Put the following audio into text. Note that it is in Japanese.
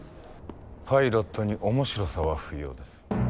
パイロットに面白さは不要です。